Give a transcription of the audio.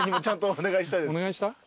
お願いした？